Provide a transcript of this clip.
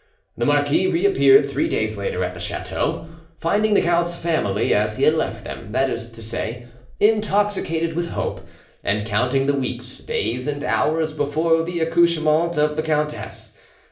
The marquis reappeared three days later at the chateau, finding the count's family as he had left them—that is to say, intoxicated with hope, and counting the weeks, days, and hours before the accouchement of the countess.